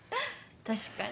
確かに。